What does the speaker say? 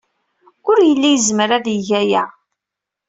Ur yelli yezmer ad yeg aya.